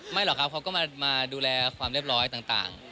หรอกครับเขาก็มาดูแลความเรียบร้อยต่าง